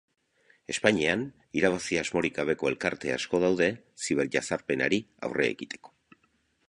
Espainian, irabazi-asmorik gabeko elkarte asko daude ziberjazarpenari aurre egiteko.